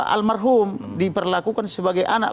almarhum diperlakukan sebagai anak